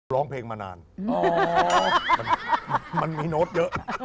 ร้องเพลงมานานมันมีโน้ตเยอะ